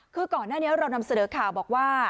คือก่อนหน้านี้เรานำเสนอข่าวบอกว่า